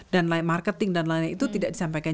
dan line marketing dan lain lain itu tidak disampaikan